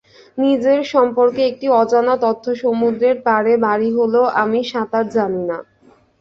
নিজের সম্পর্কে একটি অজানা তথ্যসমুদ্রের পাড়ে বাড়ি হলেও আমি সাঁতার জানি না।